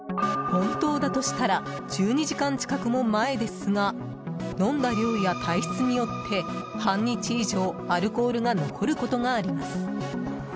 本当だとしたら１２時間近くも前ですが飲んだ量や体質によって半日以上アルコールが残ることがあります。